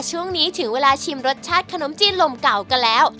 ช่วงนี้ถึงเวลาชิมรสชาติขนมจีนลมเก่ากันแล้ว